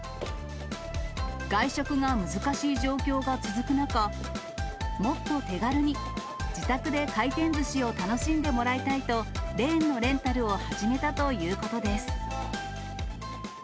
外食が難しい状況が続く中、もっと手軽に自宅で回転ずしを楽しんでもらいたいと、レーンのレンタルを始めたということです。